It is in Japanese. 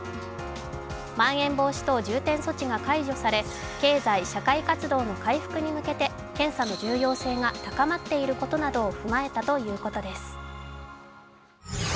まん延防止等重点措置が解除され経済社会活動の回復に向けて検査の重要性が高まっていることなどを踏まえたということです。